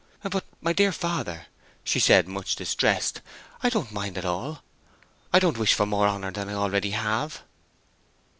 "But, my dear father," she said, much distressed, "I don't mind at all. I don't wish for more honor than I already have!"